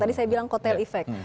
tadi saya bilang kotel efek